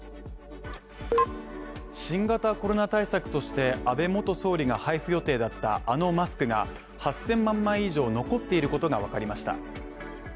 新型コロナ対策として、安倍元総理が配布予定だったあのマスクが８０００万枚以上残っていることがわかりました。